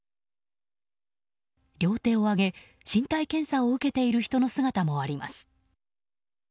両手を上げ、身体検査を受けている人の姿もあります。